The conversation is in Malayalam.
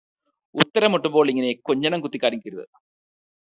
ഉത്തരം മുട്ടുമ്പോൾ ഇങ്ങനെ കൊഞ്ഞണം കുത്തി കാണിക്കരുത്.